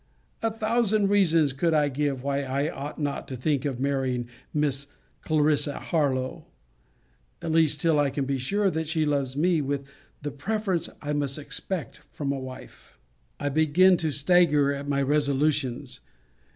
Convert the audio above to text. A thousand reasons could I give why I ought not to think of marrying Miss Clarissa Harlowe; at least till I can be sure, that she loves me with the preference I must expect from a wife. I begin to stagger in my resolutions.